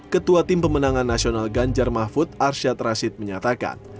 ketua tim pemenangan nasional ganjar mahfud arsyad rashid menyatakan